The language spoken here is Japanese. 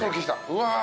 うわ。